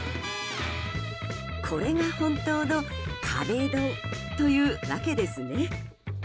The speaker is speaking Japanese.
これが本当の壁ドンというわけですね。